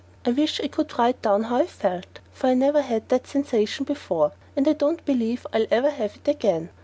I wish I could write down how I felt, for I never had that sensation before, and I don't believe I'll ever have it again.